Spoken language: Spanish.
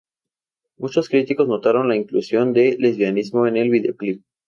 Muchos críticos notaron la inclusión del lesbianismo en el videoclip.